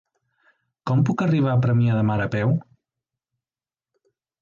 Com puc arribar a Premià de Mar a peu?